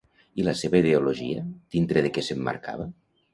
I la seva ideologia, dintre de què s'emmarcava?